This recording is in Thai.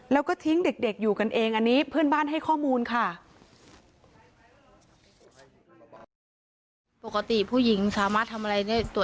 แล้วก็ทิ้งเด็กอยู่กันเองอันนี้เพื่อนบ้านให้ข้อมูลค่ะ